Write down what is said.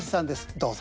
どうぞ。